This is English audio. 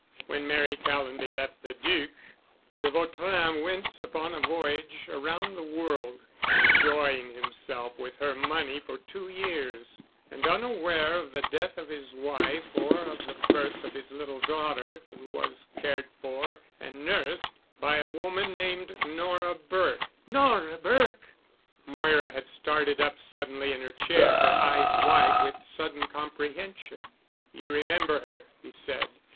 "When Mary Callonby left the Duc, de Vautrin went upon a voyage around the world, enjoying himself with her money for two years, and unaware of the death of his wife or of the birth of his little daughter, who was cared for and nursed by a woman named Nora Burke——" "Nora Burke!" Moira had started up suddenly in her chair, her eyes wide with sudden comprehension. "You remember her——" he said.